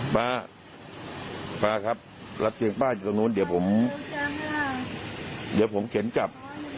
ป้าป๊าครับแล้วเตียงป้าอยู่ตรงนู้นเดี๋ยวผมเดี๋ยวผมเข็นกลับ